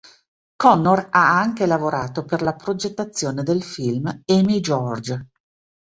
Connor ha anche lavorato per la progettazione del film "Amy George".